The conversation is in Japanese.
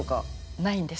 ないんです。